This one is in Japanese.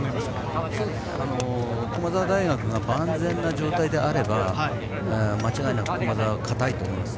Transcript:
駒澤大学が万全な状態であれば間違いなく駒澤は堅いと思います。